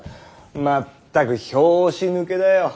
まったく拍子抜けだよ。